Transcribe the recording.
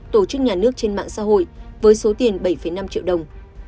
tổ chức nhà nước trên mạng xã hội với số tiền bảy năm triệu đồng